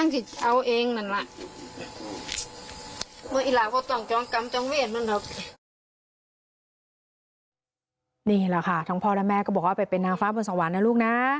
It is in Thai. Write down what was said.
นี่แหละค่ะทั้งพ่อและแม่ก็บอกว่าไปเป็นนางฟ้าบนสวรรค์นะลูกนะ